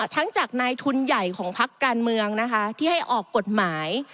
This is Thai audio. ทั้งจากนายทุนใหญ่ของพักการเมืองนะคะที่ให้ออกกฎหมาย